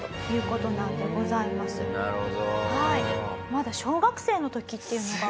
まだ小学生の時っていうのが。